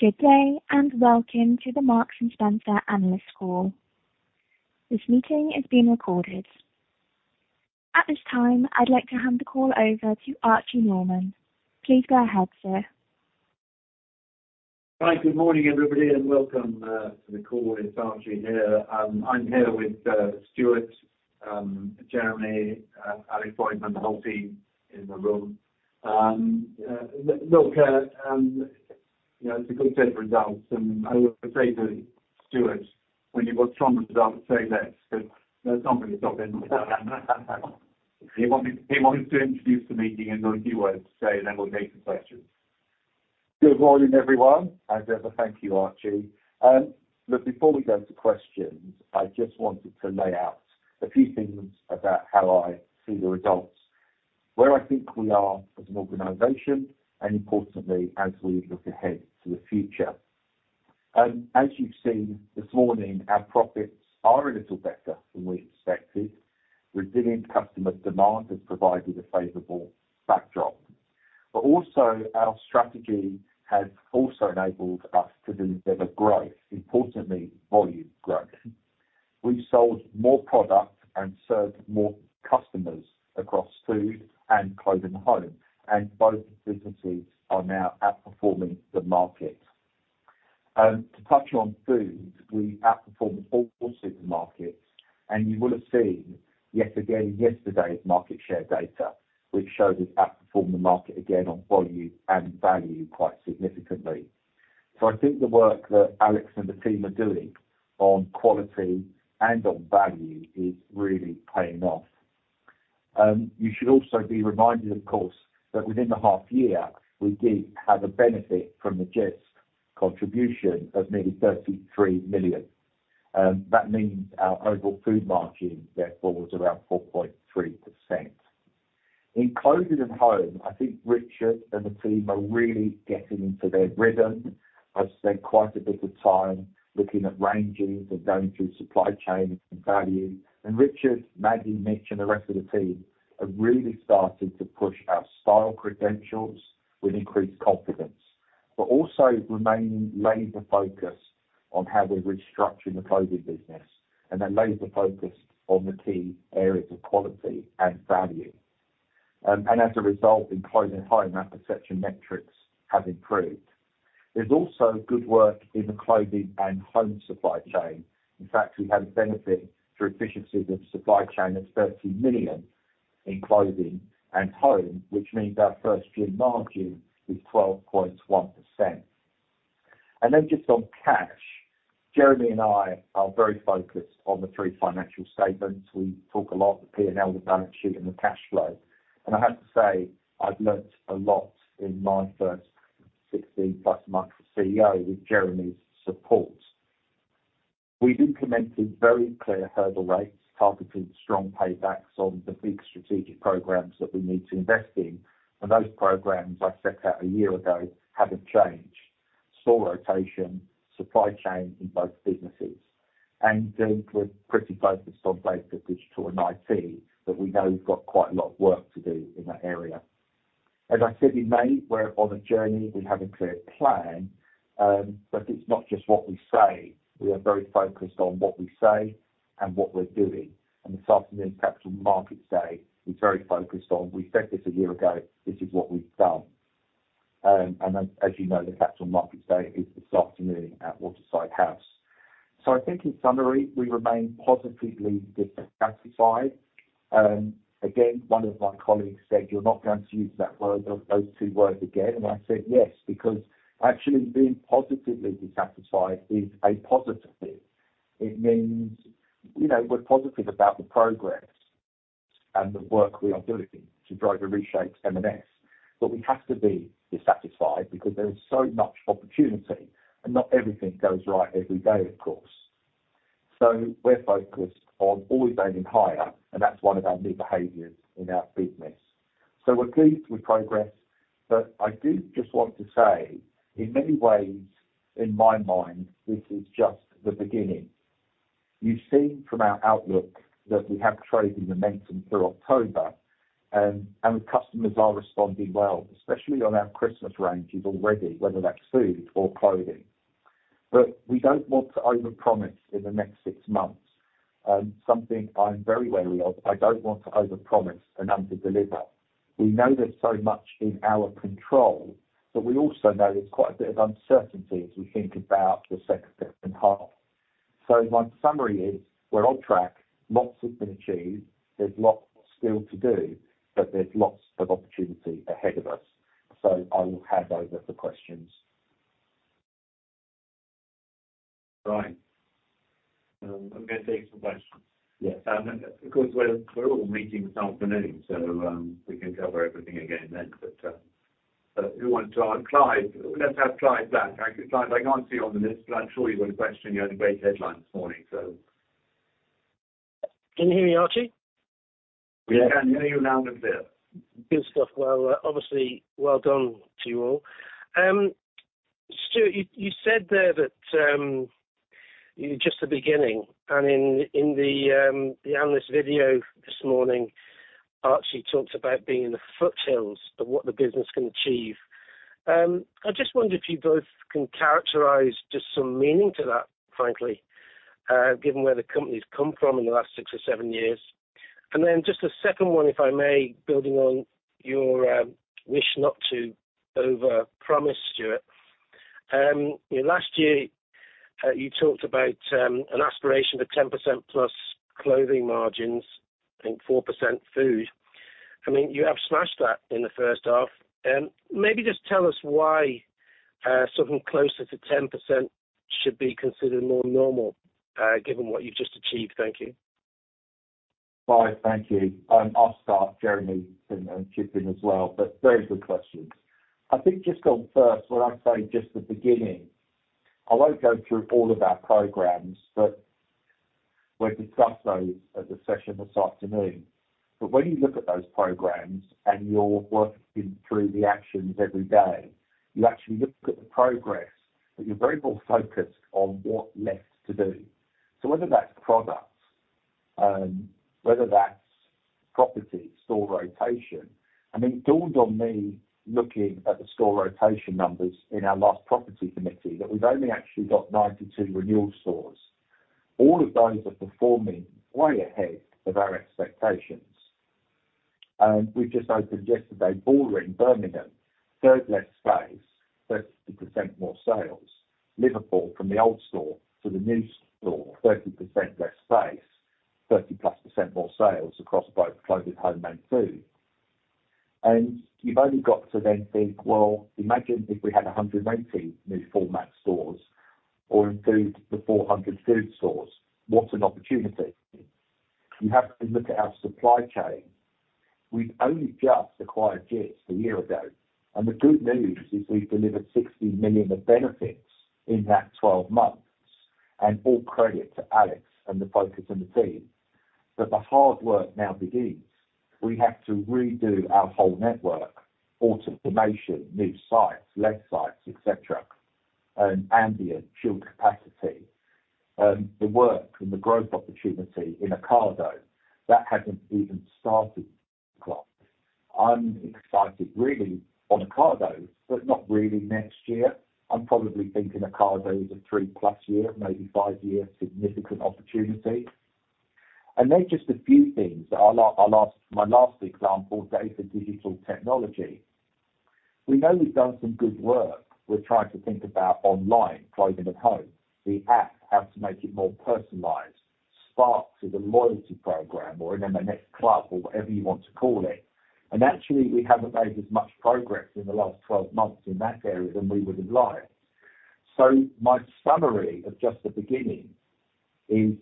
Good day, and welcome to the Marks & Spencer Analyst Call. This meeting is being recorded. At this time, I'd like to hand the call over to Archie Norman. Please go ahead, sir. Hi, good morning, everybody, and welcome to the call. It's Archie here. I'm here with Stuart, Jeremy, Alex Boyd, and the whole team in the room. Look, you know, it's a good set of results, and I would say to Stuart, when you've got strong results, say less, because there's nothing to stop him. He wanted, he wants to introduce the meeting, and there are a few words to say, and then we'll take the questions. Good morning, everyone. As ever, thank you, Archie. But before we go to questions, I just wanted to lay out a few things about how I see the results, where I think we are as an organization, and importantly, as we look ahead to the future. And as you've seen this morning, our profits are a little better than we expected. Resilient customer demand has provided a favorable backdrop, but also our strategy has also enabled us to deliver growth, importantly, volume growth. We've sold more product and served more customers across food and clothing home, and both businesses are now outperforming the market. To touch on food, we outperformed all supermarkets, and you will have seen, yet again, yesterday's market share data, which shows us outperform the market again on volume and value quite significantly. So I think the work that Alex and the team are doing on quality and on value is really paying off. You should also be reminded, of course, that within the half year, we did have a benefit from the Gist contribution of nearly 33 million. That means our overall food margin, therefore, was around 4.3%. In Clothing & Home, I think Richard and the team are really getting into their rhythm. I've spent quite a bit of time looking at ranging and going through supply chain and value, and Richard, Maddy, Mitch, and the rest of the team, have really started to push our style credentials with increased confidence. But also remaining laser focused on how we're restructuring the clothing business, and then laser focused on the key areas of quality and value. And as a result, in clothing and home, our perception metrics have improved. There's also good work in the clothing and home supply chain. In fact, we had a benefit through efficiencies of supply chain of 30 million in clothing and home, which means our first-year margin is 12.1%. Then just on cash, Jeremy and I are very focused on the three financial statements. We talk a lot, the P&L, the balance sheet, and the cash flow. And I have to say, I've learned a lot in my first 60+ months as CEO with Jeremy's support. We've implemented very clear hurdle rates, targeted strong paybacks on the big strategic programs that we need to invest in, and those programs I set out a year ago haven't changed. Store rotation, supply chain in both businesses, and we're pretty focused on data, digital and IT, but we know we've got quite a lot of work to do in that area. As I said in May, we're on a journey. We have a clear plan, but it's not just what we say. We are very focused on what we say and what we're doing. And this afternoon's Capital Markets Day is very focused on, we said this a year ago, this is what we've done. And as you know, the Capital Markets Day is this afternoon at Waterside House. So I think in summary, we remain positively dissatisfied. Again, one of my colleagues said, "You're not going to use that word, those two words again." And I said, "Yes," because actually being positively dissatisfied is a positive thing. It means, you know, we're positive about the progress and the work we are doing to drive and reshape M&S. But we have to be dissatisfied because there is so much opportunity, and not everything goes right every day, of course. So we're focused on always aiming higher, and that's one of our new behaviors in our business. So we're pleased with progress, but I do just want to say, in many ways, in my mind, this is just the beginning. You've seen from our outlook that we have trading momentum through October and, and customers are responding well, especially on our Christmas ranges already, whether that's food or clothing. But we don't want to overpromise in the next six months. Something I'm very wary of, I don't want to overpromise and underdeliver. We know there's so much in our control, but we also know there's quite a bit of uncertainty as we think about the second half. So my summary is: we're on track, lots has been achieved, there's lots still to do, but there's lots of opportunity ahead of us. So I will hand over the questions. Right. I'm going to take some questions. Yes. Because we're all meeting this afternoon, so we can cover everything again then. But who want to... Clive, let's have Clive Black. Actually, Clive, I can't see you on the list, but I'm sure you've got a question. You had a great headline this morning, so. Can you hear me, Archie? We can hear you loud and clear. Good stuff. Well, obviously, well done to you all. Stuart, you said there that,... Just the beginning. And in the analyst video this morning, Archie talked about being in the foothills of what the business can achieve. I just wonder if you both can characterize just some meaning to that, frankly, given where the company's come from in the last six or seven years. And then just a second one, if I may, building on your wish not to overpromise, Stuart. Last year, you talked about an aspiration of 10%+ clothing margins and 4% food. I mean, you have smashed that in the first half. Maybe just tell us why something closer to 10% should be considered more normal, given what you've just achieved. Thank you. Hi, thank you. I'll start, Jeremy can chip in as well, but very good questions. I think just on first, when I say just the beginning, I won't go through all of our programs, but we'll discuss those at the session this afternoon. But when you look at those programs and you're working through the actions every day, you actually look at the progress, but you're very more focused on what's left to do. So whether that's products, whether that's property, store rotation, I mean, it dawned on me, looking at the store rotation numbers in our last property committee, that we've only actually got 92 renewal stores. All of those are performing way ahead of our expectations. And we just opened yesterday, Bullring, Birmingham, third less space, 30% more sales. Liverpool, from the old store to the new store, 30% less space, 30+ percent more sales across both clothing, home, and food. And you've only got to then think, well, imagine if we had 180 new format stores or include the 400 food stores. What an opportunity! We have to look at our supply chain. We've only just acquired Gist a year ago, and the good news is we've delivered 60 million of benefits in that 12 months, and all credit to Alex and the focus on the team. But the hard work now begins. We have to redo our whole network, automation, new sites, less sites, et cetera, ambient chilled capacity. The work and the growth opportunity in Ocado, that hasn't even started quite. I'm excited really on Ocado, but not really next year. I'm probably thinking Ocado is a 3+ year, maybe five-year significant opportunity. There are just a few things. My last example, data, digital technology. We know we've done some good work. We're trying to think about online, clothing at home, the app, how to make it more personalized. Sparks, the loyalty program, or an M&S club, or whatever you want to call it. Actually, we haven't made as much progress in the last 12 months in that area as we would have liked. My summary of just the beginning is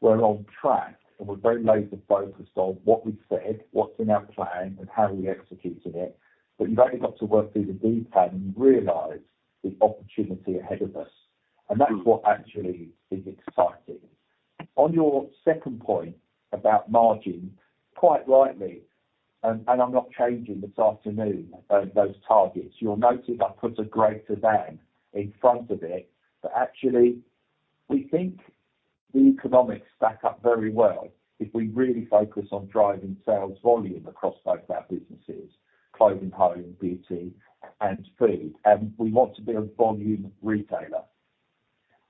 we're on track, and we're very laser focused on what we said, what's in our plan, and how we executed it. But you've only got to work through the detail and you realize the opportunity ahead of us, and that's what actually is exciting. On your second point about margin, quite rightly, and I'm not changing this afternoon those targets. You'll notice I put a greater than in front of it, but actually, we think the economics stack up very well if we really focus on driving sales volume across both our businesses, clothing, home, beauty, and food, and we want to be a volume retailer.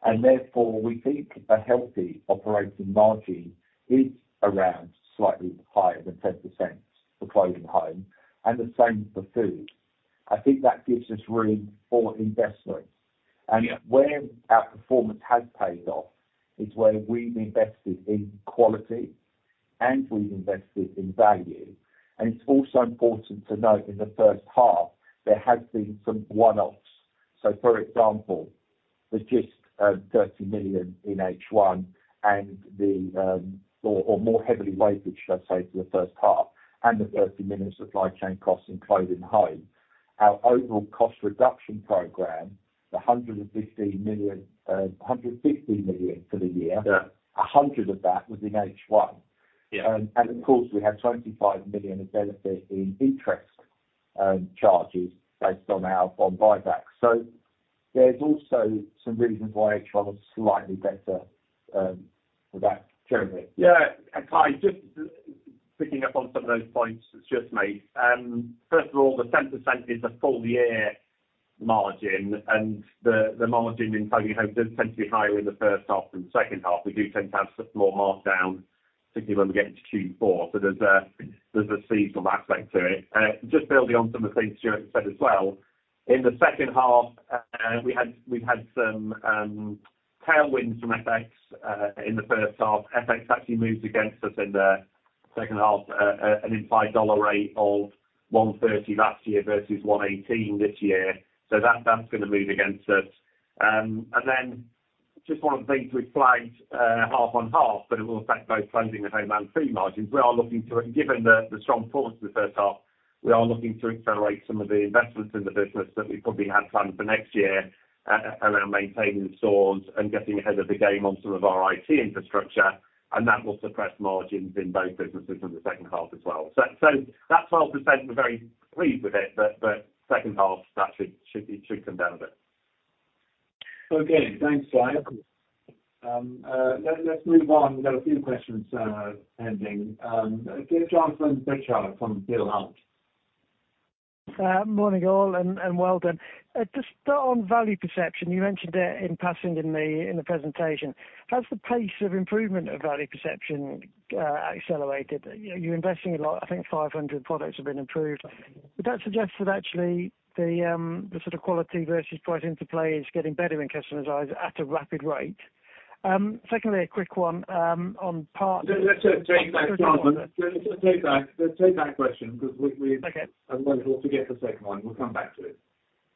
And therefore, we think a healthy operating margin is around slightly higher than 10% for clothing, home, and the same for food. I think that gives us room for investment. And yet where our performance has paid off is where we've invested in quality and we've invested in value. And it's also important to note in the first half, there have been some one-offs. So, for example, the Gist, 30 million in H1 and the, or, or more heavily weighted, should I say, to the first half and the 30 million supply chain costs in clothing and home. Our overall cost reduction program, the 115 million, 150 million for the year- Yeah. 100 of that was in H1. Yeah. And of course, we had 25 million of benefit in interest charges based on our bond buyback. So there's also some reasons why H1 is slightly better for that. Jeremy? Yeah, Kai, just picking up on some of those points that you just made. First of all, the 10% is a full year margin, and the margin in clothing homes is tending to be higher in the first half than the second half. We do tend to have more markdown, particularly when we get into Q4. So there's a seasonal aspect to it. Just building on some of the things Stuart said as well. In the second half, we've had some tailwinds from FX in the first half. FX actually moved against us in the second half, at an implied dollar rate of 1.30 last year versus 1.18 this year. So that's going to move against us. And then just one of the things we flagged, H1 on H2, but it will affect both Clothing, Home and Food margins. Given the strong performance in the first half, we are looking to accelerate some of the investments in the business that we probably had planned for next year, around maintaining the stores and getting ahead of the game on some of our IT infrastructure, and that will suppress margins in both businesses in the second half as well. So, so that 12%, we're very pleased with it, but, but second half, that should, should be, should come down a bit. Okay, thanks, Simon. Let's move on. We've got a few questions pending. Get Jonathan Pritchard from Peel Hunt. Morning, all, and well done. Just start on value perception. You mentioned it in passing in the presentation. Has the pace of improvement of value perception accelerated? You're investing a lot, I think 500 products have been improved. Would that suggest that actually the sort of quality versus price interplay is getting better in customers' eyes at a rapid rate? Secondly, a quick one on part- Let's just take that, Jonathan. Let's take that, take that question because we Okay. Otherwise, we'll forget the second one. We'll come back to it.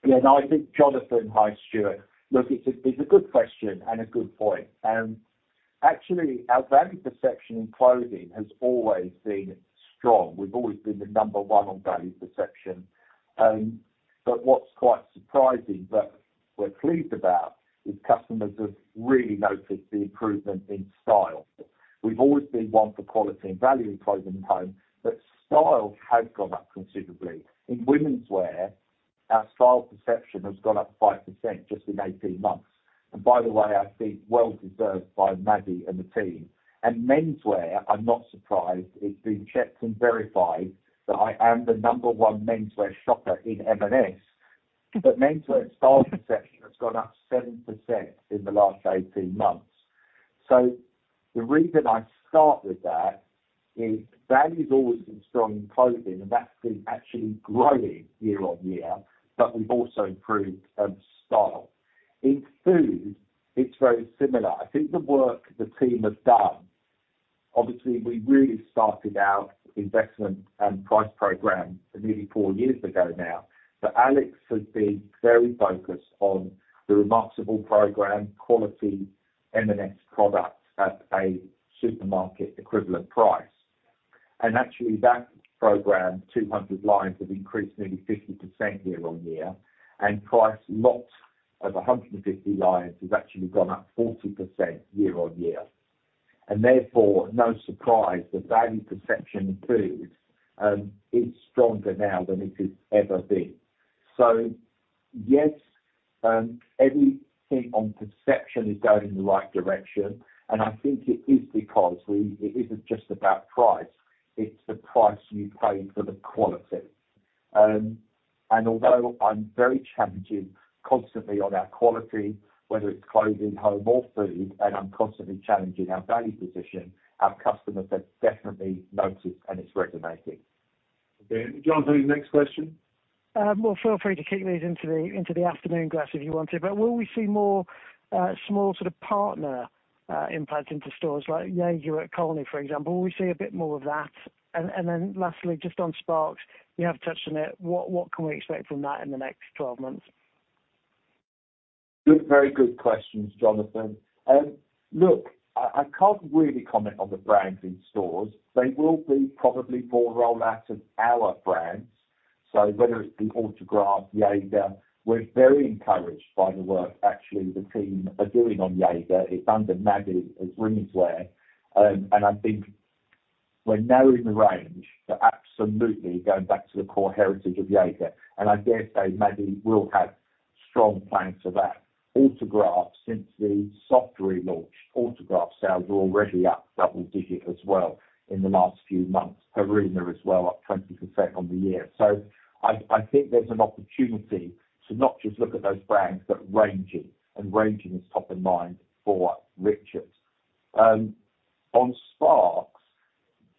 Yeah, no, I think, Jonathan, hi, Stuart. Look, it's a, it's a good question and a good point. Actually, our value perception in clothing has always been strong. We've always been the number one on value perception. But what's quite surprising, but we're pleased about, is customers have really noticed the improvement in style. We've always been one for quality and value in clothing and home, but style has gone up considerably. In womenswear, our style perception has gone up 5% just in 18 months. And by the way, I think well deserved by Maggie and the team. And menswear, I'm not surprised, it's been checked and verified that I am the number one menswear shopper in M&S. But menswear style perception has gone up 7% in the last 18 months. So the reason I start with that is value has always been strong in clothing, and that's been actually growing year-on-year, but we've also improved style. In food, it's very similar. I think the work the team has done, obviously, we really started our investment and price program nearly four years ago now. But Alex has been very focused on the remarkable program, quality M&S products at a supermarket equivalent price. And actually, that program, 200 lines, have increased nearly 50% year-on-year, and price lots of 150 lines, has actually gone up 40% year-on-year. And therefore, no surprise, the value perception in food is stronger now than it has ever been. Yes, everything on perception is going in the right direction, and I think it is because we, it isn't just about price, it's the price you pay for the quality. Although I'm very challenging constantly on our quality, whether it's clothing, home or food, and I'm constantly challenging our value position, our customers have definitely noticed, and it's resonating. Okay, Jonathan, next question. Well, feel free to kick these into the afternoon slot if you want to. But will we see more small sort of partner impact into stores like Jaeger at Colney, for example, will we see a bit more of that? And then lastly, just on Sparks, you have touched on it, what can we expect from that in the next 12 months? Good, very good questions, Jonathan. Look, I, I can't really comment on the brands in stores. They will be probably more rollout of our brands, so whether it's the Autograph, Jaeger, we're very encouraged by the work actually the team are doing on Jaeger. It's under Maggie, as womenswear, and I think we're narrowing the range, but absolutely going back to the core heritage of Jaeger, and I dare say Maggie will have strong plans for that. Autograph, since the soft relaunch, Autograph sales are already up double digit as well in the last few months. Per Una as well, up 20% on the year. So I, I think there's an opportunity to not just look at those brands, but ranging, and ranging is top of mind for Richard. On Sparks,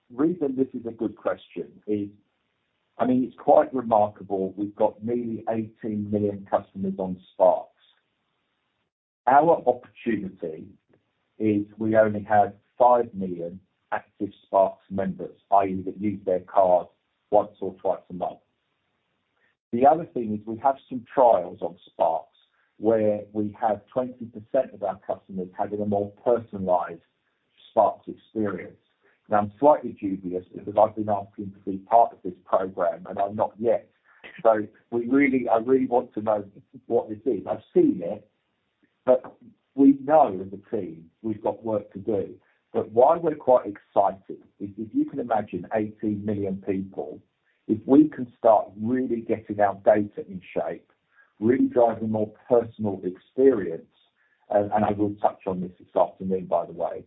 the reason this is a good question is, I mean, it's quite remarkable we've got nearly 18 million customers on Sparks. Our opportunity is we only have 5 million active Sparks members, i.e., that use their card once or twice a month. The other thing is we have some trials on Sparks, where we have 20% of our customers having a more personalized Sparks experience. Now, I'm slightly dubious because I've been asking to be part of this program, and I'm not yet. So we really, I really want to know what this is. I've seen it, but we know in the team we've got work to do. But why we're quite excited is if you can imagine 18 million people, if we can start really getting our data in shape, really driving more personal experience, and, and I will touch on this this afternoon, by the way,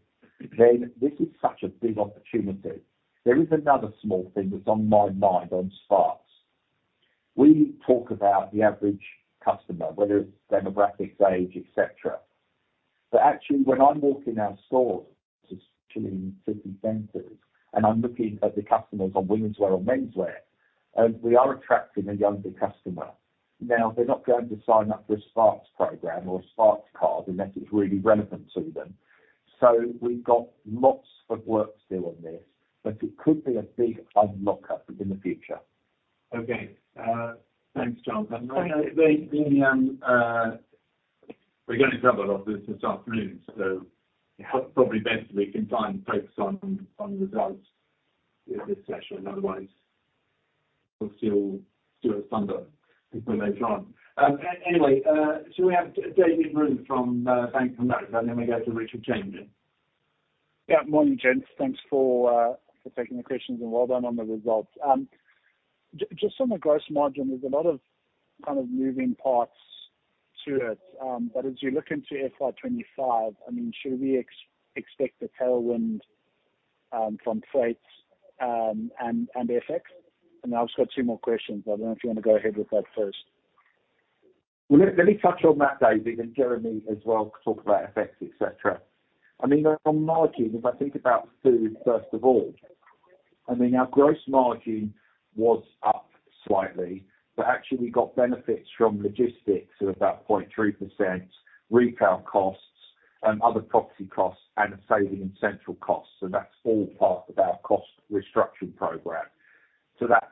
then this is such a big opportunity. There is another small thing that's on my mind on Sparks. We talk about the average customer, whether it's demographics, age, et cetera. But actually, when I walk in our stores, especially in city centers, and I'm looking at the customers on womenswear or menswear, we are attracting a younger customer. Now, they're not going to sign up for a Sparks program or a Sparks card unless it's really relevant to them. So we've got lots of work still on this, but it could be a big unlocker in the future. Okay, thanks, Jonathan. We're going to cover a lot of this this afternoon, so it's probably best we can try and focus on the results in this session, otherwise, we'll steal Stuart's thunder before they join. Anyway, so we have David Roon from Bank of America, and then we go to Richard James. Yeah, morning, gents. Thanks for taking the questions, and well done on the results. Just on the gross margin, there's a lot of kind of moving parts to it. But as you look into FY 2025, I mean, should we expect a tailwind from freight and FX? And I've just got two more questions. I don't know if you wanna go ahead with that first. Well, let me touch on that, David, and Jeremy as well, talk about FX, etc. I mean, on margin, if I think about food, first of all, I mean, our gross margin was up slightly, but actually we got benefits from logistics of about 0.3%, retail costs and other proxy costs and a saving in central costs, so that's all part of our cost restructuring program. So that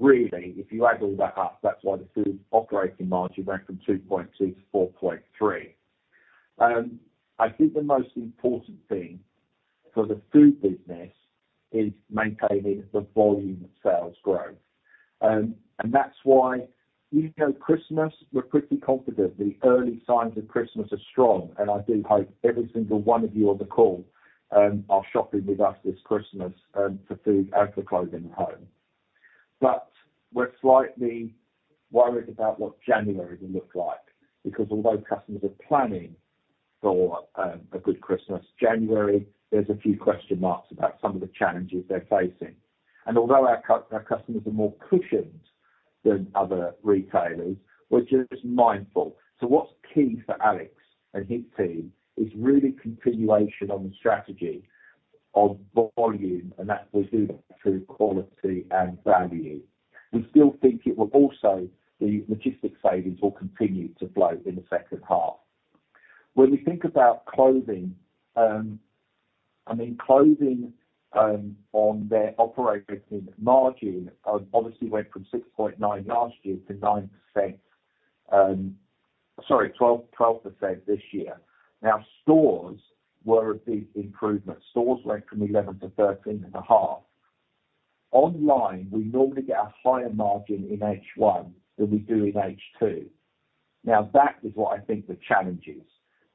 really, if you add all that up, that's why the food operating margin went from 2.2 to 4.3. I think the most important thing for the food business is maintaining the volume of sales growth. And that's why even though Christmas, we're pretty confident the early signs of Christmas are strong, and I do hope every single one of you on the call are shopping with us this Christmas for food and for clothing at home. But we're slightly worried about what January will look like, because although customers are planning for a good Christmas, January, there's a few question marks about some of the challenges they're facing. And although our customers are more cushioned than other retailers, we're just mindful. So what's key for Alex and his team is really continuation on the strategy of volume, and that was through quality and value. We still think it will also, the logistics savings will continue to flow in the second half. When we think about clothing, I mean clothing, on their operating margin, obviously went from 6.9 last year to 9%. Sorry, 12, 12% this year. Now, stores were a big improvement. Stores went from 11%-13.5%. Online, we normally get a higher margin in H1 than we do in H2. Now, that is what I think the challenge is,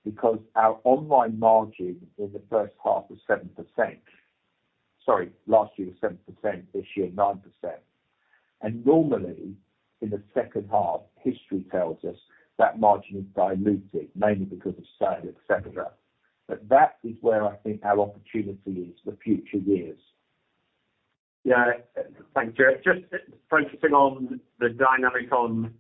because our online margin in the first half was 7%, sorry, last year was 7%, this year, 9%. And normally, in the second half, history tells us that margin is diluted, mainly because of sale, et cetera. But that is where I think our opportunity is for future years. Yeah. Thanks, Chair. Just focusing on the dynamic on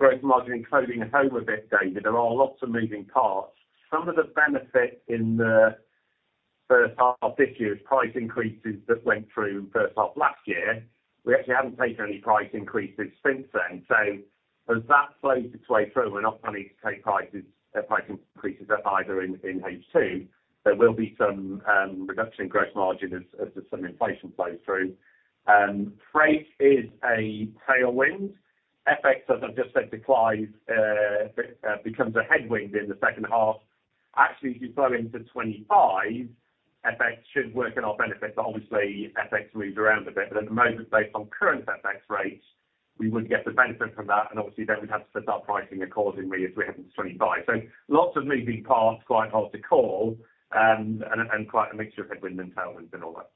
growth margin in clothing at home a bit, David, there are lots of moving parts. Some of the benefit in the first half this year is price increases that went through first half last year. We actually haven't taken any price increases since then. So as that flows its way through, we're not planning to take prices, price increases either in H2, there will be some reduction in gross margin as some inflation flows through. Freight is a tailwind. FX, as I've just said to Clive, becomes a headwind in the second half. Actually, if you flow into 2025, FX should work in our benefit, but obviously, FX moves around a bit. But at the moment, based on current FX rates, we would get the benefit from that, and obviously then we'd have to put our pricing accordingly as we head into 2025. So lots of moving parts, quite hard to call, and quite a mixture of headwinds and tailwinds and all that.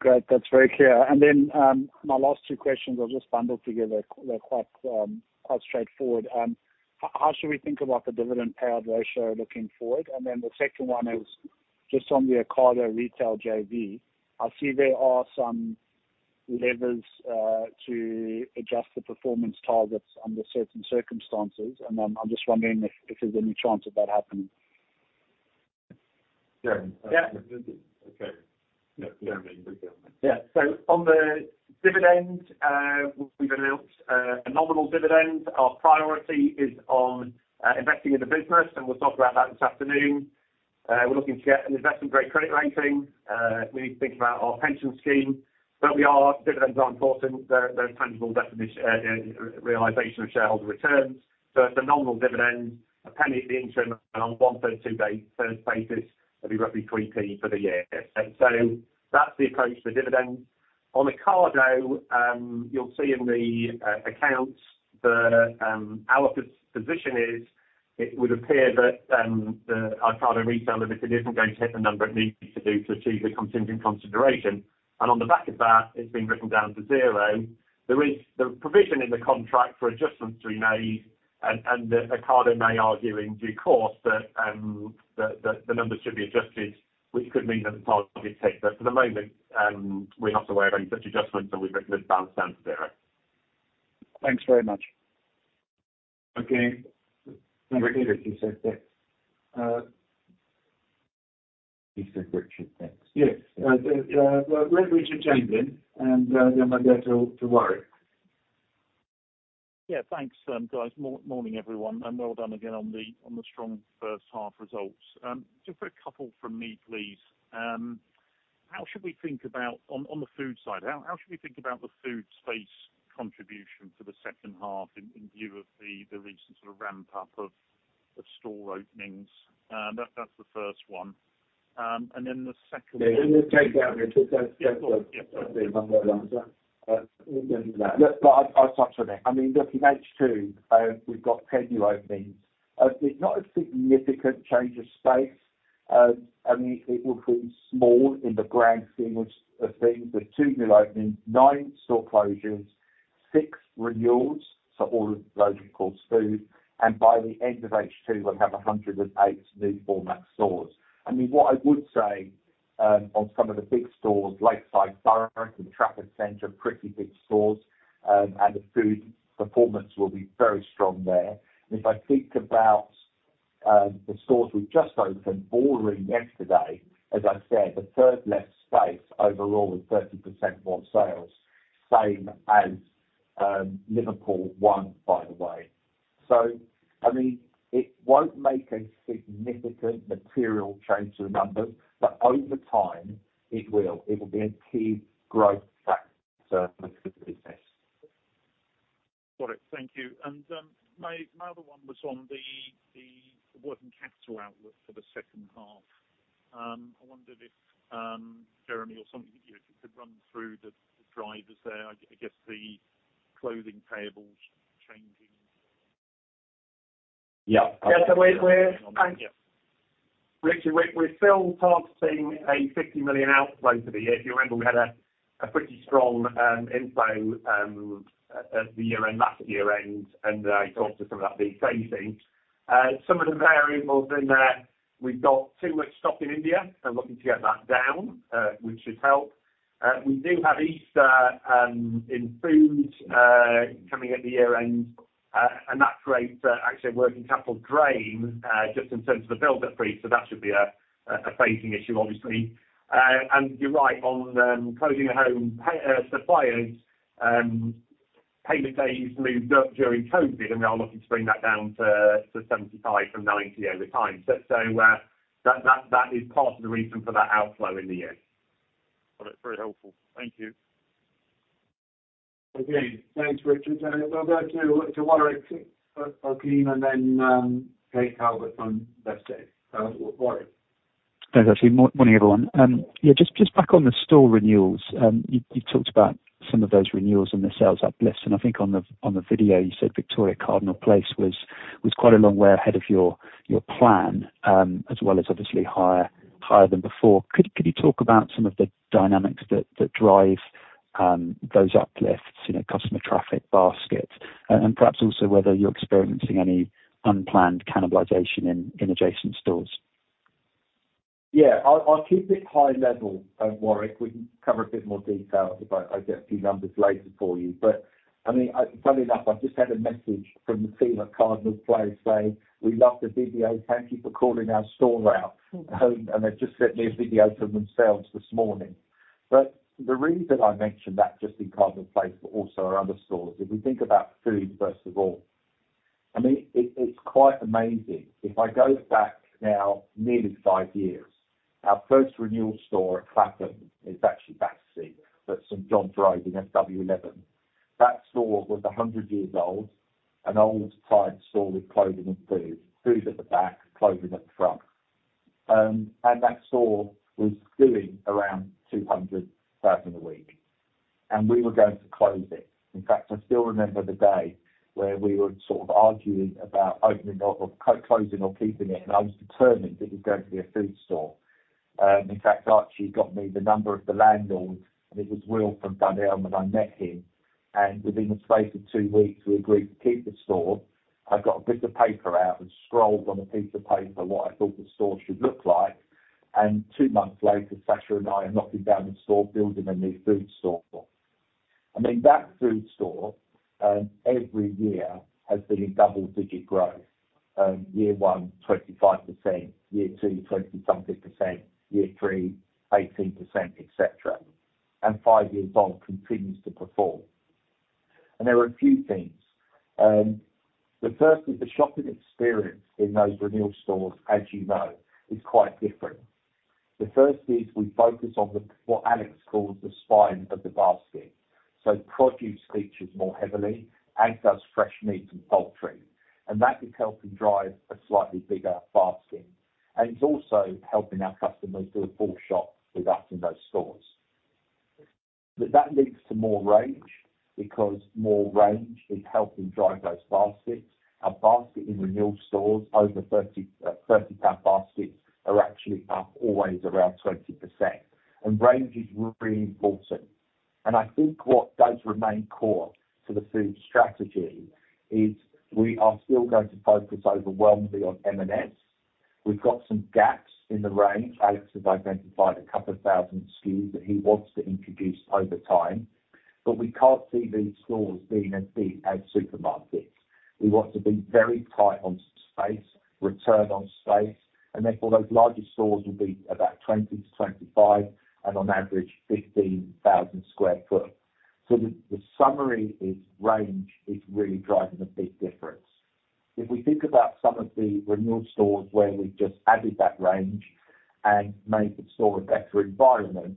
Great, that's very clear. And then, my last two questions are just bundled together. They're quite, quite straightforward. How should we think about the dividend payout ratio looking forward? And then the second one is just on the Ocado Retail JV. I see there are some levers to adjust the performance targets under certain circumstances, and I'm just wondering if there's any chance of that happening. Yeah. Yeah. Okay. Yeah, Jeremy, go ahead. Yeah, so on the dividend, we've announced a nominal dividend. Our priority is on investing in the business, and we'll talk about that this afternoon. We're looking to get an investment-grade credit rating. We need to think about our pension scheme, but dividends are important. They're tangible definition realization of shareholder returns. So it's a nominal dividend, 1p at the interim, and on 132p base basis, it'll be roughly 3p for the year. So that's the approach to the dividend. On Ocado, you'll see in the accounts the our position is, it would appear that the Ocado retail business isn't going to hit the number it needs to do to achieve the contingent consideration. And on the back of that, it's been written down to zero. There is the provision in the contract for adjustments to be made, and Ocado may argue in due course that the numbers should be adjusted, which could mean that the target is hit. But for the moment, we're not aware of any such adjustments, so we've written it down to zero. Thanks very much. Okay. He said... He said Richard next. Yes. We'll have Richard Chamberlain, and then we'll go to Warwick. Yeah, thanks, guys. Morning, everyone, and well done again on the strong first half results. Just for a couple from me, please. How should we think about. On the food side, how should we think about the food space contribution for the second half in view of the recent sort of ramp up of store openings? That's the first one. And then the second- Yeah, let me take that one. Yeah, go ahead. Yeah. But I'll touch on it. I mean, look, in H2, we've got plenty openings. It's not a significant change of space. I mean, it will feel small in the grand scheme of things. There are two new openings, nine store closures, six renewals. So all of those, of course, food, and by the end of H2, we'll have 108 new format stores. I mean, what I would say on some of the big stores, Lakeside Barrett and Trafford Centre, pretty big stores, and the food performance will be very strong there. And if I think about the stores we've just opened, opening yesterday, as I said, a third less space overall with 30% more sales, same as Liverpool One, by the way. I mean, it won't make a significant material change to the numbers, but over time, it will. It will be a key growth factor for the business. Got it. Thank you. And my other one was on the working capital outlook for the second half. I wondered if Jeremy or somebody, you know, if you could run through the drivers there, I guess the closing tables changing. Yeah. Yeah, so we—Thank you. Richard, we're still targeting a 50 million outflow for the year. If you remember, we had a pretty strong inflow at the year-end last year-end, and I talked to some of that dephasing. Some of the variables in there, we've got too much stock in India and looking to get that down, which should help. We do have Easter in food coming at the year end, and that creates actually a working capital drain just in terms of the build-up, so that should be a phasing issue, obviously. And you're right, on clothing and home suppliers, payment days moved up during COVID, and we are looking to bring that down to 75 from 90 over time. So, that is part of the reason for that outflow in the end. Got it. Very helpful. Thank you. Again, thanks, Richard. And I'll go to Warwick Okines, and then Kate Calvert from HSBC. Warwick. Thanks, actually. Morning, everyone. Yeah, just back on the store renewals. You talked about some of those renewals and the sales uplift, and I think on the video, you said Victoria Cardinal Place was quite a long way ahead of your plan, as well as obviously higher than before. Could you talk about some of the dynamics that drive those uplifts, you know, customer traffic, baskets, and perhaps also whether you're experiencing any unplanned cannibalization in adjacent stores? Yeah, I'll keep it high level, Warwick. We can cover a bit more detail if I get a few numbers later for you. But I mean, funny enough, I just had a message from the team at Cardinal Place saying, "We love the video. Thank you for calling our store out." And they've just sent me a video for themselves this morning. But the reason I mentioned that just in Cardinal Place, but also our other stores, if we think about food, first of all, I mean, it's quite amazing. If I go back now nearly five years, our first renewal store at Clapham is actually Battersea, but St. John's Road in SW11. That store was 100 years old, an old-time store with clothing and food. Food at the back, clothing at the front. And that store was doing around 200,000 a week, and we were going to close it. In fact, I still remember the day where we were sort of arguing about opening or, or closing or keeping it, and I was determined it was going to be a food store. In fact, Archie got me the number of the landlord, and it was Will from Baniel, and I met him, and within the space of two weeks, we agreed to keep the store. I got a bit of paper out and scrawled on a piece of paper what I thought the store should look like, and two months later, Sacha and I are knocking down the store, building a new food store. I mean, that food store, every year has been in double-digit growth. Year one, 25%, year two, 20-something%, year three, 18%, et cetera, and five years on, continues to perform. There are a few things. The first is the shopping experience in those renewal stores, as you know, is quite different. The first is we focus on the, what Alex calls the spine of the basket. So produce features more heavily, as does fresh meat and poultry, and that is helping drive a slightly bigger basket. It's also helping our customers do a full shop with us in those stores. But that leads to more range, because more range is helping drive those baskets. Our basket in renewal stores, over 30, 30-pound baskets are actually up always around 20%, and range is really important. I think what does remain core to the food strategy is we are still going to focus overwhelmingly on M&S. We've got some gaps in the range. Alex has identified a couple of thousand SKUs that he wants to introduce over time, but we can't see these stores being as big as supermarkets. We want to be very tight on space, return on space, and therefore those larger stores will be about 20-25, and on average, 15,000 sq ft. So the summary is range is really driving a big difference. If we think about some of the renewal stores where we've just added that range and made the store a better environment,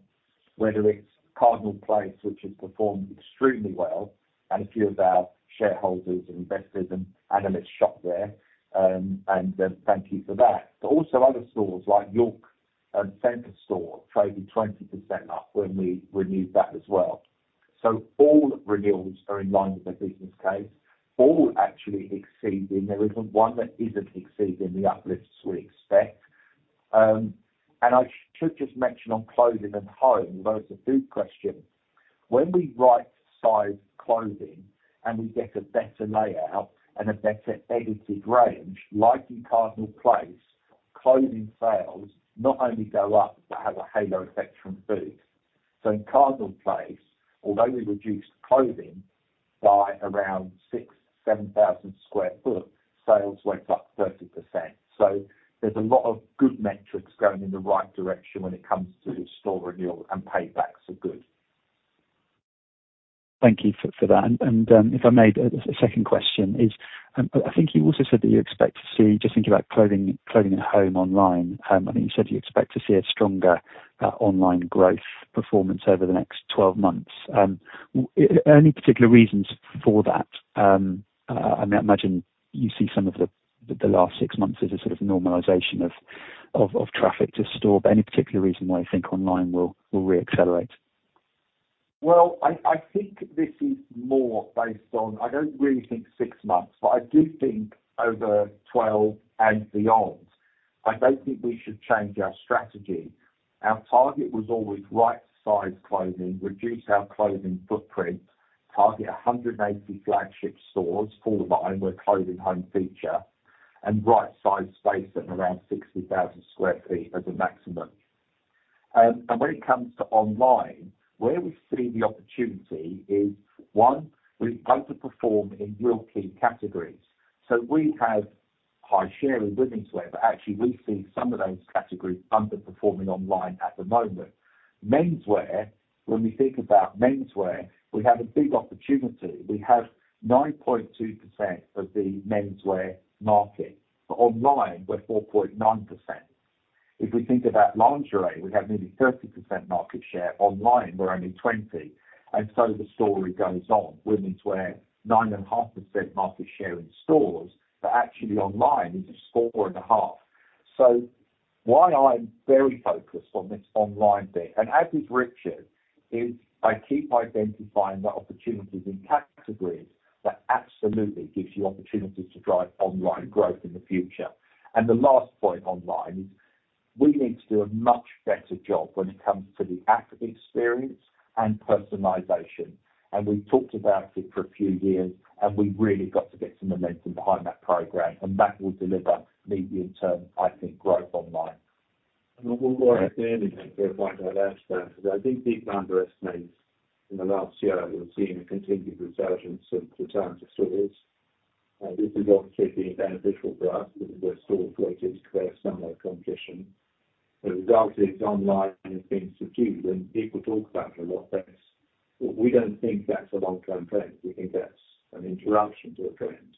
whether it's Cardinal Place, which has performed extremely well, and a few of our shareholders and investors and analysts shop there, thank you for that. But also other stores like York. Center store traded 20% up when we renewed that as well. So all renewals are in line with the business case, all actually exceeding. There isn't one that isn't exceeding the uplifts we expect. And I should just mention on clothing and home, where it's a food question, when we rightsize clothing, and we get a better layout and a better edited range, like in Cardinal Place, clothing sales not only go up but have a halo effect from food. So in Cardinal Place, although we reduced clothing by around 6,000 sq ft-7,000 sq ft, sales went up 30%. So there's a lot of good metrics going in the right direction when it comes to store renewal, and paybacks are good. Thank you for that. If I may, the second question is, I think you also said that you expect to see - just thinking about clothing and home online, I think you said you expect to see a stronger online growth performance over the next 12 months. Any particular reasons for that? I imagine you see some of the last 6 months as a sort of normalization of traffic to store, but any particular reason why you think online will re-accelerate? Well, I, I think this is more based on, I don't really think 6 months, but I do think over 12 and beyond, I don't think we should change our strategy. Our target was always right-size clothing, reduce our clothing footprint, target 180 flagship stores for the homeware clothing home feature, and right-size space at around 60,000 sq ft as a maximum. And when it comes to online, where we see the opportunity is, one, we underperform in real key categories. So we have high share in womenswear, but actually, we see some of those categories underperforming online at the moment. Menswear, when we think about menswear, we have a big opportunity. We have 9.2% of the menswear market. But online, we're 4.9%. If we think about lingerie, we have nearly 30% market share. Online, we're only 20, and so the story goes on. Womenswear, 9.5% market share in stores, but actually online, it's just 4.5%. So why I'm very focused on this online bit, and as is Richard, is I keep identifying the opportunities in categories that absolutely gives you opportunities to drive online growth in the future. And the last point online is we need to do a much better job when it comes to the app experience and personalization. And we've talked about it for a few years, and we've really got to get some momentum behind that program, and that will deliver medium-term, I think, growth online. And we'll go right there and go back to that last step, because I think people underestimate; in the last year, we've seen a continued resurgence of return to stores. This is obviously beneficial for us. We're store located, less online competition. The result is online has been subdued, and people talk about it a lot less. We don't think that's a long-term trend. We think that's an interruption to a trend.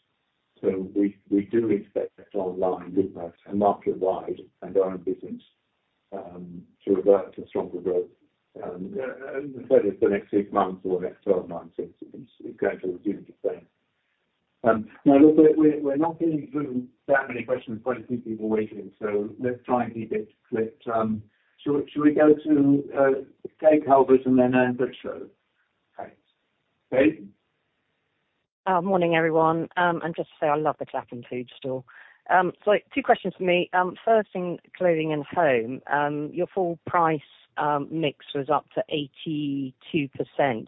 So we do expect that online, with us, and market-wide, and our own business, to revert to stronger growth, whether it's the next six months or the next 12 months, it's going to resume the same. Now, look, we're not getting through that many questions, quite a few people waiting, so let's try and keep it clipped. Should we go to Kate Calvert and then Andrew Trudeau? Thanks. Kate? Morning, everyone. Just to say, I love the Clapham Food store. So two questions for me. First, in clothing and home, your full price mix was up to 82%.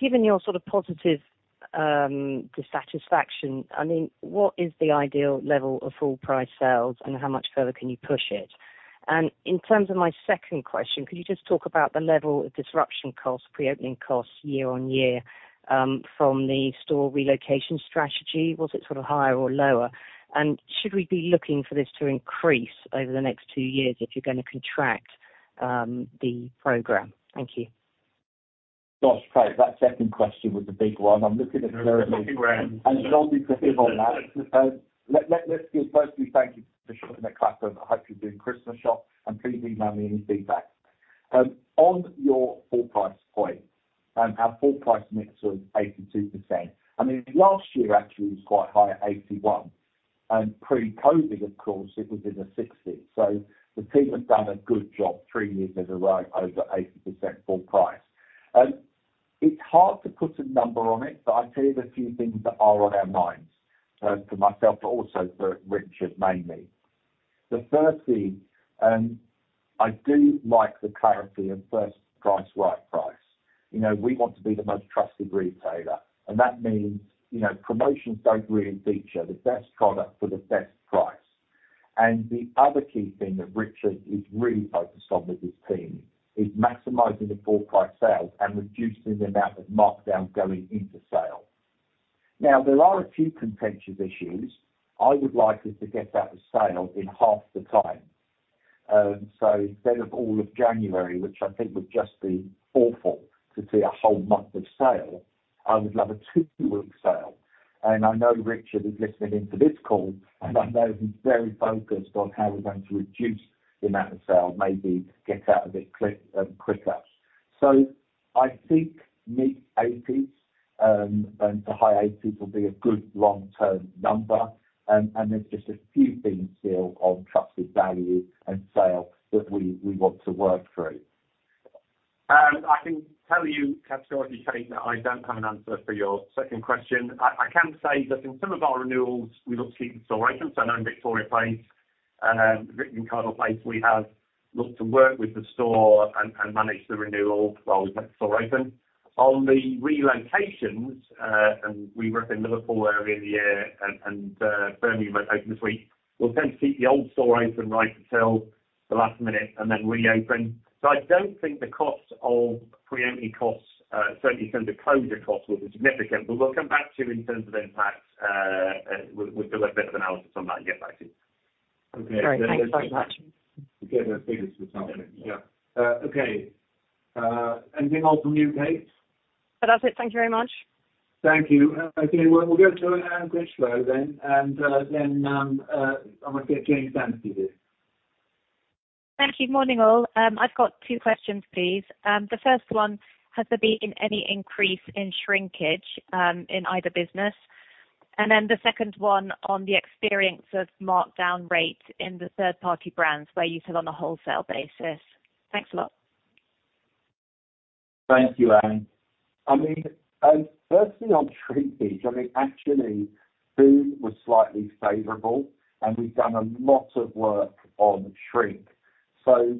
Given your sort of positive dissatisfaction, I mean, what is the ideal level of full price sales, and how much further can you push it? And in terms of my second question, could you just talk about the level of disruption costs, pre-opening costs year-on-year, from the store relocation strategy? Was it sort of higher or lower? And should we be looking for this to increase over the next two years if you're going to contract the program? Thank you. Gosh, Kate, that second question was the big one. I'm looking at Jeremy, and he's on that. Let's first thank you for shopping at Clapham. I hope you're doing Christmas shop, and please email me any feedback. On your full price point, our full price mix was 82%. I mean, last year actually was quite high at 81, and pre-COVID, of course, it was in the 60s. So the team has done a good job, three years in a row, over 80% full price. It's hard to put a number on it, but I'll tell you the few things that are on our minds, for myself, but also for Richard, mainly. The first thing, I do like the clarity of first price, right price. You know, we want to be the most trusted retailer, and that means, you know, promotions don't really feature the best product for the best price. And the other key thing that Richard is really focused on with his team is maximizing the full price sales and reducing the amount of markdowns going into sale. Now, there are a few contentious issues. I would like us to get out of sale in half the time. So instead of all of January, which I think would just be awful to see a whole month of sale, I would love a two-week sale. And I know Richard is listening into this call, and I know he's very focused on how we're going to reduce the amount of sale, maybe get out of it quick, quicker. So I think mid-eighties and to high eighties will be a good long-term number. There's just a few things still on trusted value and sale that we want to work through. I can tell you categorically, Kate, that I don't have an answer for your second question. I can say that in some of our renewals, we look to keep the store open. So I know in Cardinal Place, Victoria, we have looked to work with the store and manage the renewal while we've got the store open. On the relocations, and we were up in Liverpool earlier in the year and Birmingham open this week, we'll tend to keep the old store open right until the last minute and then reopen. So I don't think the cost of pre-empting costs, certainly in terms of closure costs, will be significant. But we'll come back to you in terms of impact. We'll do a bit of analysis on that and get back to you. Okay. Great, thanks very much. Get our figures for something. Yeah. Okay. Anything more from you, Kate? That's it. Thank you very much. Thank you. Okay, we'll go to Anne Greensboro then, and then I might get James Stanford here. Thank you. Morning, all. I've got two questions, please. The first one, has there been any increase in shrinkage, in either business? And then the second one on the experience of markdown rate in the third-party brands where you said on a wholesale basis. Thanks a lot. Thank you, Anne. I mean, firstly, on shrinkage, I mean, actually, food was slightly favorable, and we've done a lot of work on shrink. So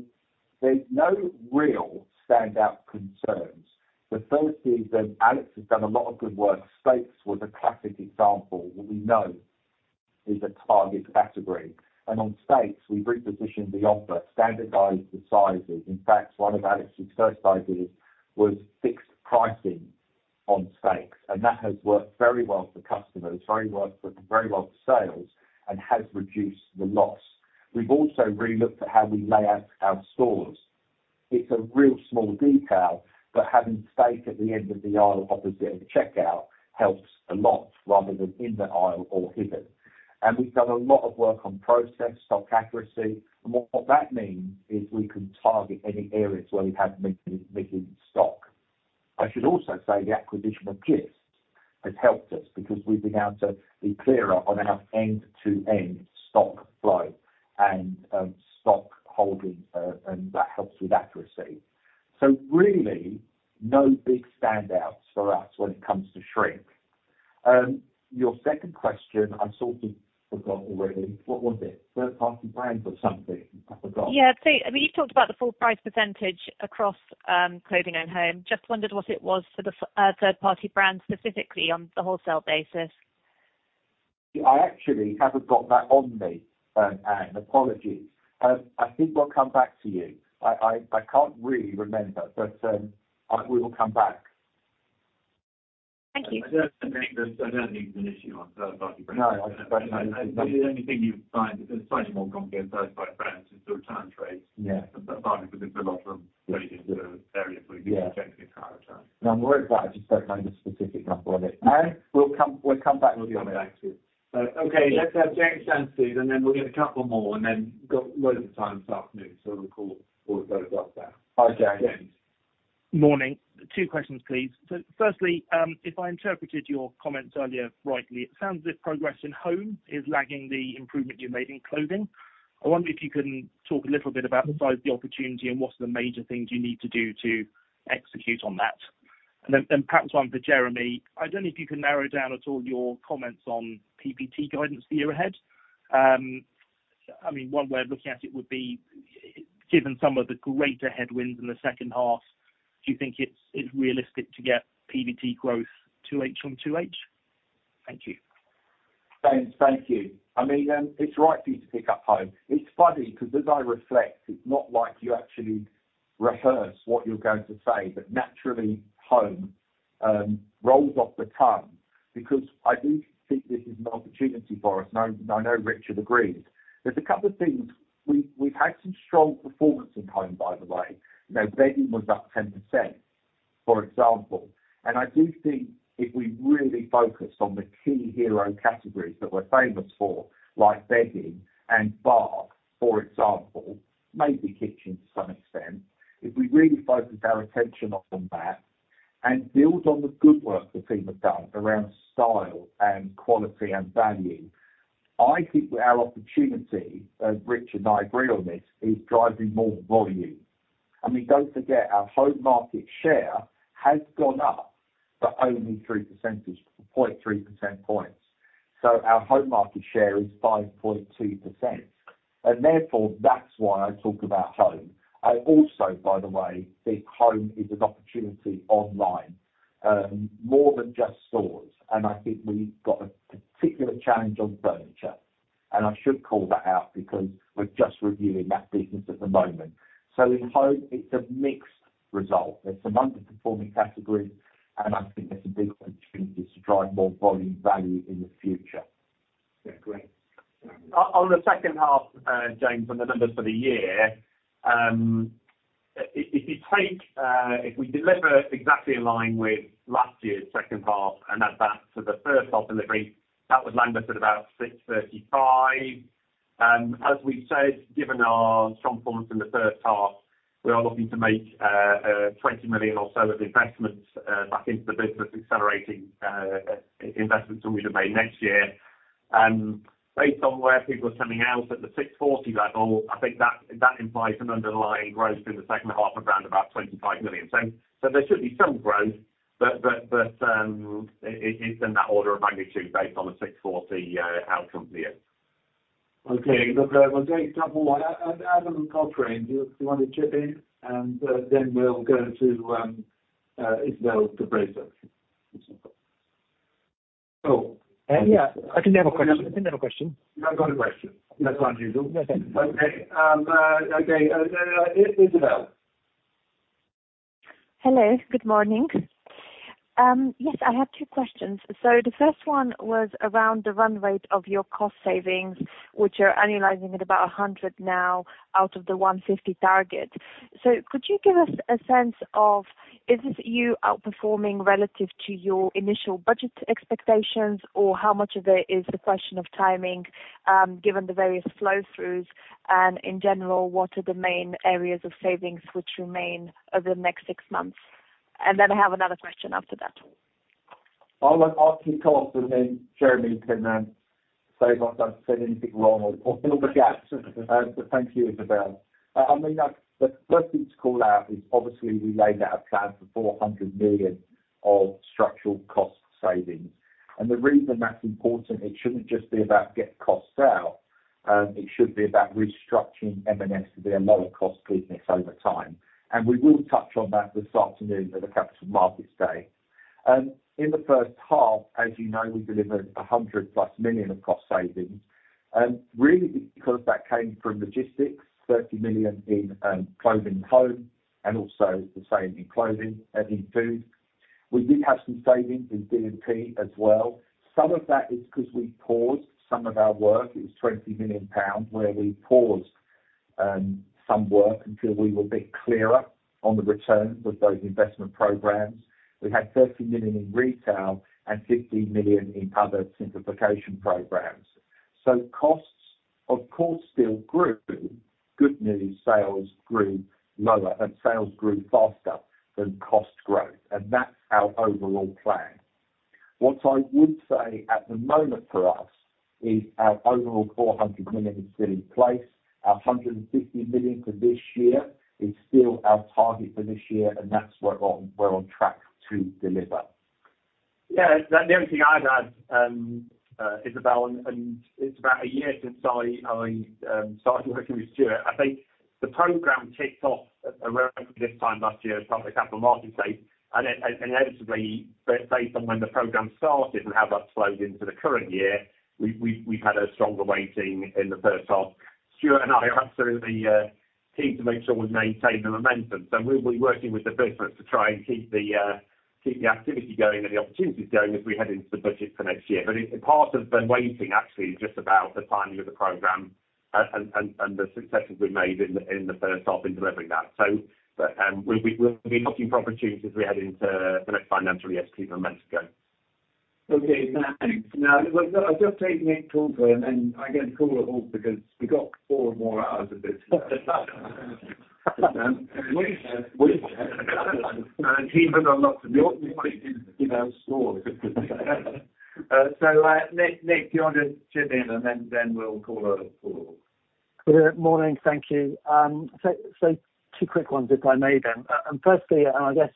there's no real standout concerns. But firstly, then Alex has done a lot of good work. Steaks was a classic example that we know is a target category. And on steaks, we repositioned the offer, standardized the sizes. In fact, one of Alex's first ideas was fixed pricing on steaks, and that has worked very well for customers, very well for, very well for sales and has reduced the loss. We've also relooked at how we lay out our stores. It's a real small detail, but having steak at the end of the aisle opposite the checkout helps a lot, rather than in the aisle or hidden. And we've done a lot of work on process, stock accuracy. What that means is we can target any areas where we've had missing stock. I should also say the acquisition of Gist has helped us because we've been able to be clearer on our end-to-end stock flow and stock holding, and that helps with accuracy. So really, no big standouts for us when it comes to shrink. Your second question, I sort of forgot already. What was it? Third party brands or something? I forgot. Yeah, so I mean, you talked about the full price percentage across clothing and home. Just wondered what it was for the third party brands, specifically on the wholesale basis. I actually haven't got that on me, Anne, apologies. I think we'll come back to you. I can't really remember, but we will come back. Thank you. I don't think there's an issue on third party brands. No, I- The only thing you find, it's slightly more complex with third party brands, is the return rates. Yeah. Partly because there's a lot of areas where you can return. No, I'm worried about it. I just don't know the specific number on it. And we'll come back to you on it, actually. Okay, let's have James Stanford, and then we'll get a couple more, and then got loads of time this afternoon, so we'll call all of those after. Hi, James. Morning. two questions, please. So firstly, if I interpreted your comments earlier rightly, it sounds as if progress in Home is lagging the improvement you've made in clothing. I wonder if you can talk a little bit about the size of the opportunity and what are the major things you need to do to execute on that? And then perhaps one for Jeremy. I don't know if you can narrow down at all your comments on PBT guidance for the year ahead. I mean, one way of looking at it would be, given some of the greater headwinds in the second half, do you think it's realistic to get PBT growth H2 on H2? Thank you. James, thank you. I mean, it's right for you to pick up Home. It's funny because as I reflect, it's not like you actually rehearse what you're going to say, but naturally, Home, rolls off the tongue because I do think this is an opportunity for us. And I know Richard agrees. There's a couple of things. We've had some strong performance in Home, by the way. You know, bedding was up 10%, for example, and I do think if we really focus on the key hero categories that we're famous for, like bedding and bath, for example, maybe kitchen to some extent. If we really focus our attention off on that and build on the good work the team have done around style and quality and value, I think our opportunity, as Richard and I agree on this, is driving more volume. I mean, don't forget, our home market share has gone up, but only 0.3 percentage points. So our home market share is 5.2%, and therefore, that's why I talk about Home. I also, by the way, think Home is an opportunity online, more than just stores. And I think we've got a particular challenge on furniture, and I should call that out because we're just reviewing that business at the moment. So in Home, it's a mixed result. There's some underperforming categories, and I think there's a big opportunity to drive more volume value in the future. Yeah, great. On the second half, James, on the numbers for the year, if you take, if we deliver exactly in line with last year's second half and add that to the first half delivery, that would land us at about 635 million. As we've said, given our strong performance in the first half, we are looking to make 20 million or so of investments back into the business, accelerating investments that we would have made next year. Based on where people are coming out at the 640 million level, I think that implies an underlying growth in the second half of around about 25 million. So there should be some growth, but it's in that order of magnitude based on the 640 million outcome for you. Okay, look, I will take couple more. Adam and Paul Train, do you want to chip in? And then we'll go to Isabelle de Bracer. So- Yeah, I think they have a question. I think they have a question. You have got a question, that's unusual. Okay. Okay. Okay, Isabelle? Hello. Good morning. Yes, I had two questions. So the first one was around the run rate of your cost savings, which are annualizing at about 100 now out of the 150 target. So could you give us a sense of, is this you outperforming relative to your initial budget expectations, or how much of it is the question of timing, given the various flow throughs? And in general, what are the main areas of savings which remain over the next six months? And then I have another question after that. I'll let Andy talk, and then Jeremy can say if I've said anything wrong or fill the gaps. But thank you, Isabelle. I mean, that's the first thing to call out is obviously we laid out a plan for 400 million of structural cost savings. And the reason that's important, it shouldn't just be about get costs out, it should be about restructuring M&S to be a lower cost business over time. And we will touch on that this afternoon at the Capital Markets Day. In the first half, as you know, we delivered 100+ million of cost savings. And really, because that came from logistics, 30 million in clothing home and also the same in clothing and in food. We did have some savings in D&D as well. Some of that is 'cause we paused some of our work. It was 20 million pounds, where we paused some work until we were a bit clearer on the returns of those investment programs. We had 30 million in retail and 15 million in other simplification programs. So costs, of course, still grew. Good news, sales grew lower and sales grew faster than cost growth, and that's our overall plan. What I would say at the moment for us is our overall 400 million is still in place. Our 150 million for this year is still our target for this year, and that's where we're on track to deliver. Yeah, the only thing I'd add, Isabelle, and it's about a year since I started working with Stuart. I think the program ticked off around this time last year as part of the Capital Markets Day, and then inevitably, but based on when the program started and how that's flowed into the current year, we've had a stronger weighting in the first half. Stuart and I are absolutely keen to make sure we maintain the momentum, so we'll be working with the business to try and keep the activity going and the opportunities going as we head into the budget for next year. But it's a part of the weighting, actually, just about the timing of the program and the successes we've made in the first half in delivering that. So, we'll be looking for opportunities as we head into the next financial year, as people a month ago. Okay, now I'll just take Nick Paul then, and I'm going to call it all because we've got four more hours of this. And even on lots of your, you know, small. So, Nick, Nick, do you want to chip in and then we'll call it Paul. Good morning. Thank you. So two quick ones, if I may then. And firstly, and I guess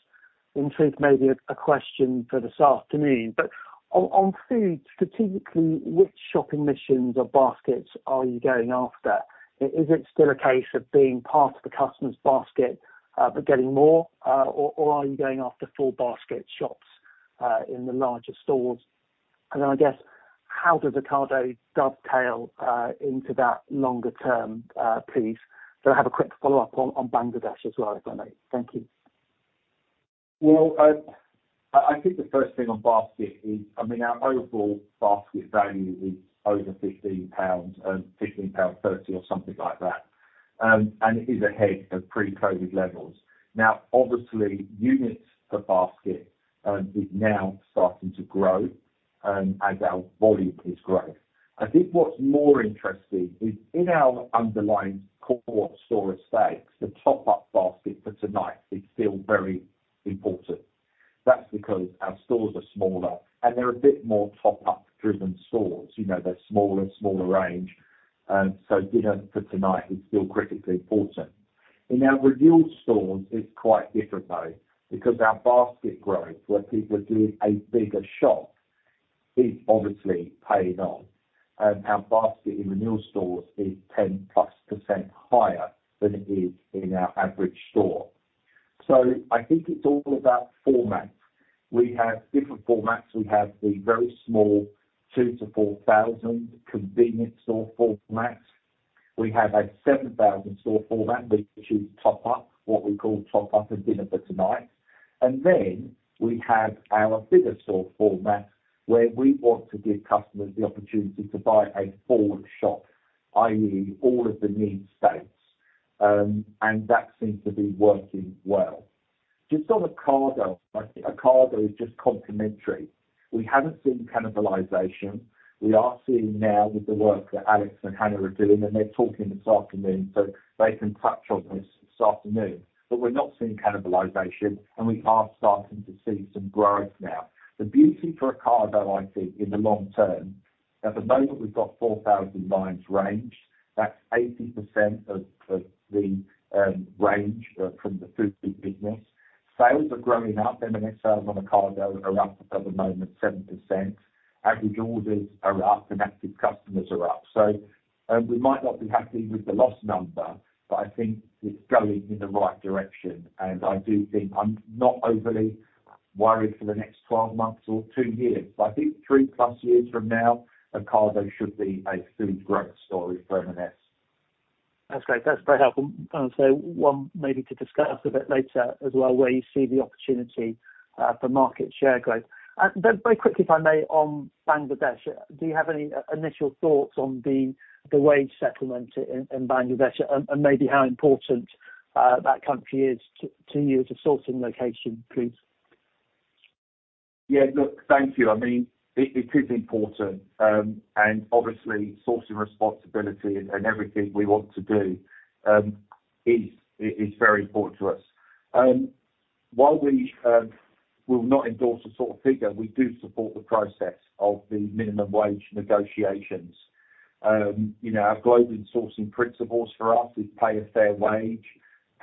this is maybe a question for this afternoon, but on food, strategically, which shopping missions or baskets are you going after? Is it still a case of being part of the customer's basket, but getting more, or are you going after full basket shops, in the larger stores? And then I guess, how does Ocado dovetail into that longer-term piece? So I have a quick follow-up on Bangladesh as well, if I may. Thank you. Well, I think the first thing on basket is, I mean, our overall basket value is over 15 pounds, 15.30 pounds or something like that. And it is ahead of pre-COVID levels. Now, obviously, units per basket is now starting to grow, as our volume is growing. I think what's more interesting is in our underlying core store estates, the top-up basket for tonight is still very important. That's because our stores are smaller, and they're a bit more top-up driven stores. You know, they're smaller, smaller range, so dinner for tonight is still critically important. In our renewal stores, it's quite different though, because our basket growth, where people are doing a bigger shop, is obviously paying off. Our basket in renewal stores is 10%+ higher than it is in our average store. So I think it's all about format. We have different formats. We have the very small, 2,000-4,000 convenience store format. We have a 7,000 store format, which is top up, what we call top up and dinner for tonight. And then we have our bigger store format, where we want to give customers the opportunity to buy a full shop, i.e., all of the need states. And that seems to be working well. Just on Ocado, I think Ocado is just complementary. We haven't seen cannibalization. We are seeing now with the work that Alex and Hannah are doing, and they're talking this afternoon, so they can touch on this this afternoon, but we're not seeing cannibalization, and we are starting to see some growth now. The beauty for Ocado, I think, in the long term, at the moment, we've got 4,000 lines range. That's 80% of the range from the food business. Sales are growing up. M&S sales on Ocado are up at the moment, 7%. Average orders are up and active customers are up. So, we might not be happy with the loss number, but I think it's going in the right direction, and I do think I'm not overly worried for the next 12 months or two years. But I think 3+ years from now, Ocado should be a really great story for M&S. That's great. That's very helpful. And so one maybe to discuss a bit later as well, where you see the opportunity for market share growth. Then very quickly, if I may, on Bangladesh, do you have any initial thoughts on the wage settlement in Bangladesh and maybe how important that country is to you as a sourcing location, please? Yeah, look, thank you. I mean, it is important, and obviously sourcing responsibility and everything we want to do is very important to us. While we will not endorse a sort of figure, we do support the process of the minimum wage negotiations. You know, our global sourcing principles for us is pay a fair wage,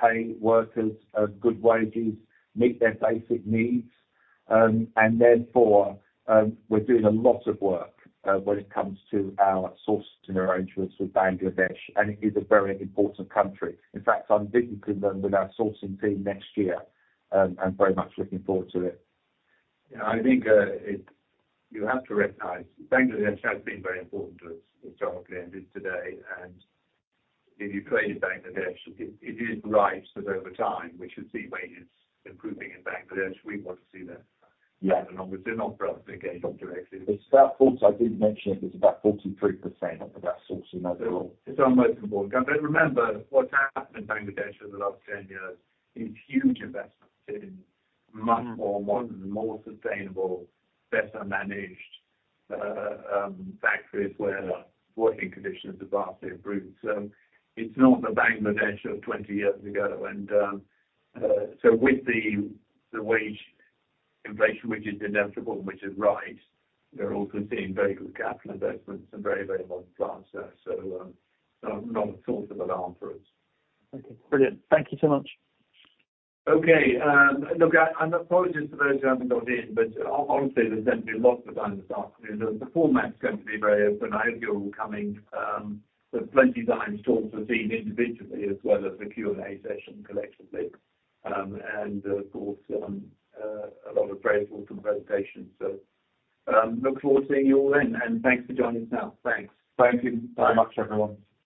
pay workers good wages, meet their basic needs, and therefore, we're doing a lot of work when it comes to our sourcing arrangements with Bangladesh, and it is a very important country. In fact, I'm visiting them with our sourcing team next year, and very much looking forward to it. Yeah, I think you have to recognize Bangladesh has been very important to us historically and is today. And if you trade in Bangladesh, it is right that over time, we should see wages improving in Bangladesh. We want to see that. Yeah. Obviously not for us to engage directly. It's about 40... I did mention it was about 43% of our sourcing as a whole. It's our most important country. But remember, what's happened in Bangladesh for the last 10 years is huge investments in much more, more sustainable, better managed, factories, where the working conditions have vastly improved. So it's not the Bangladesh of 20 years ago, and, so with the, the wage inflation, which is inevitable, which is right, we're also seeing very good capital investments and very, very modern plants there. So, not a source of alarm for us. Okay, brilliant. Thank you so much. Okay, look, and apologies to those who haven't got in, but honestly, there's going to be lots of time this afternoon. The format's going to be very open. I hope you're all coming. There's plenty time to talk to the team individually as well as the Q&A session collectively. And, of course, a lot of grateful for the presentation. So, look forward to seeing you all then, and thanks for joining us now. Thanks. Thank you very much, everyone.